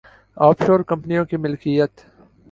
of شور کمپنیوں کی ملکیت‘